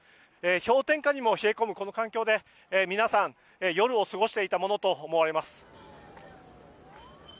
氷点下にも冷え込むこの環境で皆さん、夜を過ごしていたものと思われます。